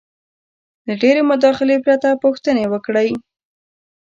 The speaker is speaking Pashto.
-له ډېرې مداخلې پرته پوښتنې وکړئ: